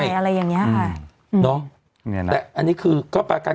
อะไรอย่างเงี้ยค่ะเนอะเนี่ยนะแต่อันนี้คือก็ประกัน